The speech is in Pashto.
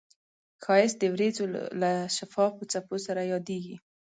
ښایست د وریځو له شفافو څپو سره یادیږي